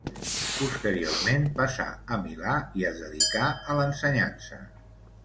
Posteriorment passà a Milà, i es dedicà a l'ensenyança.